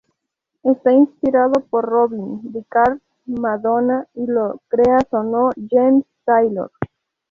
Está inspirado por Robyn, The Cars, Madonna, y lo creas o no, James Taylor.